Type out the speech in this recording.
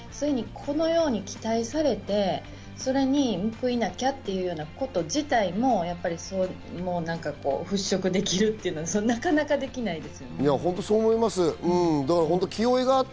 このように期待されて、それに報いなきゃということ自体もそれも払拭できるというのは、なかなかできないです。